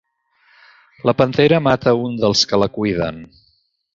La pantera mata un dels que la cuiden.